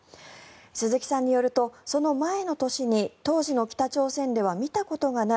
鈴木さんによるとその前の年に当時の北朝鮮では見たことがない